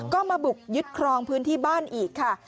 ก็มาบุกยึดครองพื้นที่บ้านอีกค่ะ